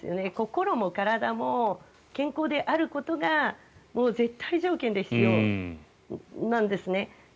心も体も健康であることが絶対条件で必要なんですね。